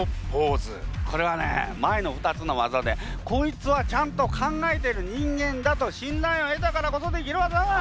これはね前の２つの技でこいつはちゃんと考えている人間だと信頼を得たからこそできる技だ！